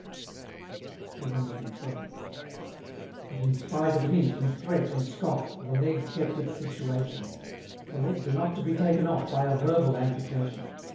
CCCXII. But spite of hint, and threat, and scoff, The Leg kept its situation: For legs are not to be taken off By a verbal amputation.